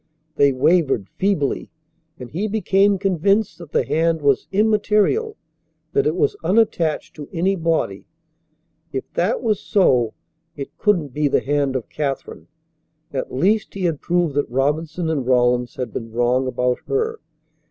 They wavered feebly, and he became convinced that the hand was immaterial, that it was unattached to any body. If that was so it couldn't be the hand of Katherine. At least he had proved that Robinson and Rawlins had been wrong about her.